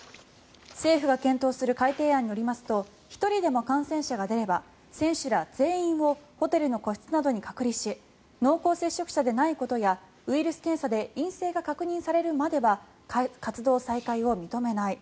政府が検討する改訂案によりますと１人でも感染者が出れば選手ら全員をホテルの個室などに隔離し濃厚接触者でないことはウイルス検査で陰性が確認されるまでは活動再開を認めない。